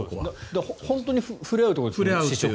本当に触れ合うところですよね